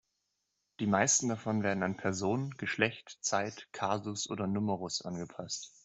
Die meisten davon werden an Person, Geschlecht, Zeit, Kasus oder Numerus angepasst.